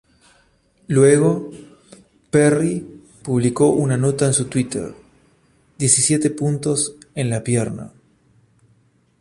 Luego, Perry publicó una nota en su Twitter: "Diecisiete puntos en la pierna.